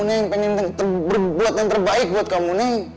saya ingin berbuat yang terbaik buat kamu